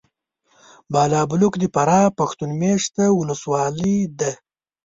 بالابلوک د فراه پښتون مېشته ولسوالي ده .